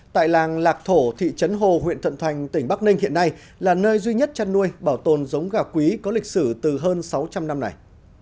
tại làng lạc thổ thị trấn hồ huyện thuận thành tỉnh bắc ninh hiện nay là nơi duy nhất chăn nuôi bảo tồn giống gà quý có lịch sử từ hơn sáu trăm linh năm này